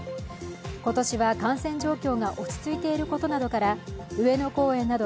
今年は感染状況が落ち着いていることなどから上野公園など